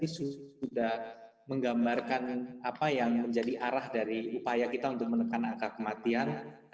sudah menggambarkan apa yang menjadi arah dari upaya kita untuk menekan angka kematian